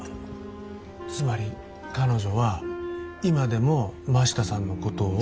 つまり彼女は今でも真下さんのことを。